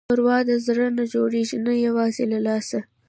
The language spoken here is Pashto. ښوروا د زړه نه جوړېږي، نه یوازې له لاسه.